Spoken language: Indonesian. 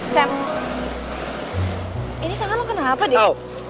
sam ini tangan lo kena apa deh